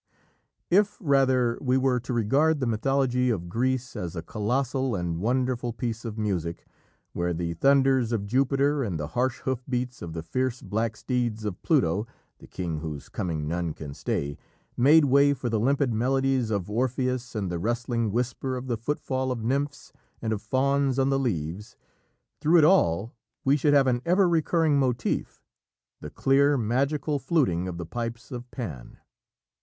If, rather, we were to regard the mythology of Greece as a colossal and wonderful piece of music, where the thunders of Jupiter and the harsh hoof beats of the fierce black steeds of Pluto, the king whose coming none can stay, made way for the limpid melodies of Orpheus and the rustling whisper of the footfall of nymphs and of fauns on the leaves, through it all we should have an ever recurring motif the clear, magical fluting of the pipes of Pan.